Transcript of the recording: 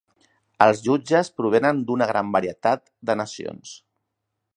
Els jutges provenen d'una gran varietat de nacions.